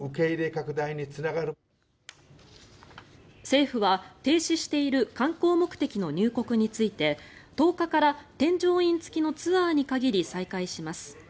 政府は停止している観光目的の入国について１０日から添乗員付きのツアーに限り再開します。